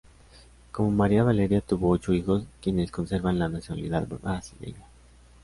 Con María Valeria tuvo ocho hijos, quienes conservan la nacionalidad brasileña.